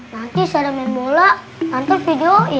nanti sadam main bola tante videoin